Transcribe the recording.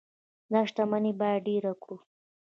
دا شتمني باید ډیره کړو.